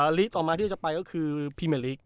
ลีกต่อมาที่เราจะไปก็คือพรีเมอร์ลิก